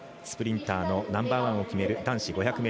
スプリンターのナンバーワンを決める男子５００ｍ。